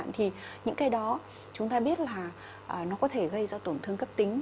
thì những cái đó chúng ta biết là nó có thể gây ra tổn thương cấp tính